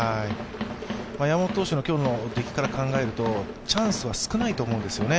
山本投手の今日の出来から考えると、チャンスは少ないと思うんですよね。